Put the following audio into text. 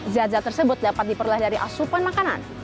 zat zat tersebut dapat diperoleh dari asupan makanan